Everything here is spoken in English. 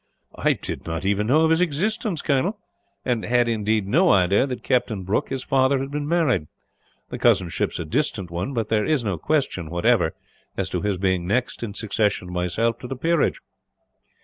"I did not even know of his existence, Colonel; and had, indeed, no idea that Captain Brooke, his father, had been married. The cousinship is a distant one; but there is no question, whatever, as to his being next in succession to myself to the peerage."